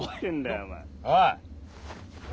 おい。